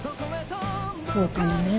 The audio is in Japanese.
そうかもね。